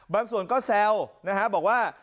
บางส่วนก็แซวนะฮะบอกว่า